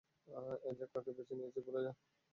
অ্যাজাক কাকে বেছে নিয়েছে ভুলে যাও।